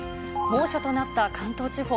猛暑となった関東地方。